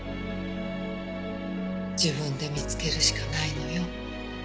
自分で見つけるしかないのよ。